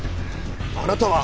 あなたは！